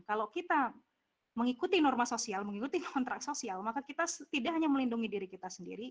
kalau kita mengikuti norma sosial mengikuti kontrak sosial maka kita tidak hanya melindungi diri kita sendiri